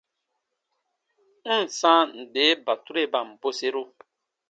N ǹ sãa nde batureban bweseru.